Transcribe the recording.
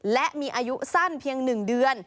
และมีอายุสั้นเพียง๑เดือน